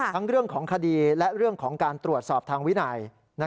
ทั้งเรื่องของคดีและเรื่องของการตรวจสอบทางวินัย